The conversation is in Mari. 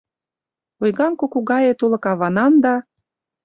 Ойган куку гае тулык аванан да